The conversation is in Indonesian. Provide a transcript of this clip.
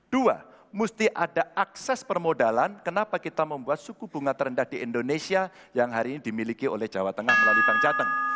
dua mesti ada akses permodalan kenapa kita membuat suku bunga terendah di indonesia yang hari ini dimiliki oleh jawa tengah melalui bank jateng